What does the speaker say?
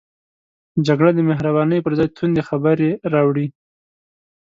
جګړه د مهربانۍ پر ځای توندې خبرې راوړي